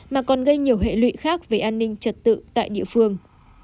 mà còn gây nhiều hệ lụy khác về an ninh trật tự tại địa phương